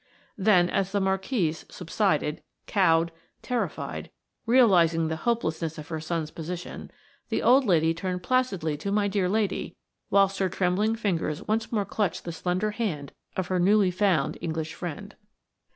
Then, as the Marquise subsided–cowed, terrified, realising the hopelessness of her son's position–the old lady turned placidly to my dear lady, whilst her trembling fingers once more clutched the slender hand of her newly found English friend.